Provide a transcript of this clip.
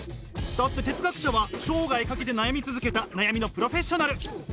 だって哲学者は生涯懸けて悩み続けた悩みのプロフェッショナル。